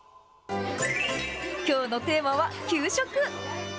きょうのテーマは給食。